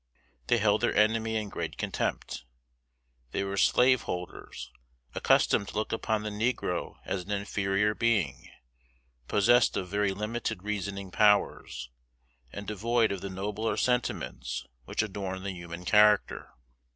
They held their enemy in great contempt. They were slaveholders, accustomed to look upon the negro as an inferior being, possessed of very limited reasoning powers, and devoid of the nobler sentiments which adorn the human character.